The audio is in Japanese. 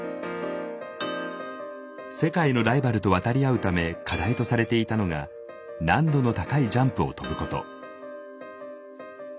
世界のライバルと渡り合うため課題とされていたのが難度の高いジャンプを跳ぶこと。